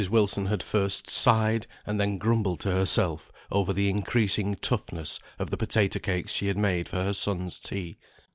Wilson had first sighed, and then grumbled to herself, over the increasing toughness of the potato cakes she had made for her son's tea.